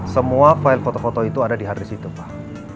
semua file foto foto itu ada di haris itu pak